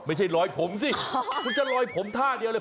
ไม่ใช่รอยผมสิคุณจะลอยผมท่าเดียวเลย